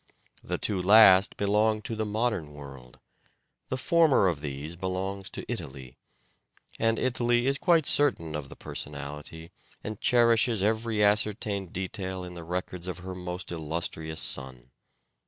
The two last belong to the modern world. The former of these belongs to Italy ; and Italy is quite certain of the personality and cherishes every ascertained detail in the records of her most illustrious son.